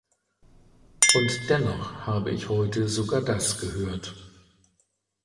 Und dennoch habe ich heute sogar das gehört.